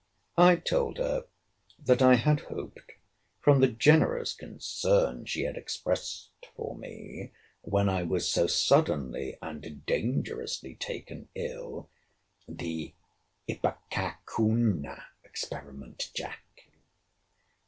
I told her, that I had hoped, from the generous concern she had expressed for me, when I was so suddenly and dangerously taken ill—[the ipecacuanha experiment, Jack!